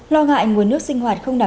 lo ngại nguồn nước sinh hoạt không đáng